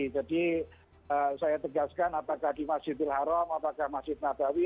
jadi saya tegaskan apakah di masjid al haram apakah masjid nabawi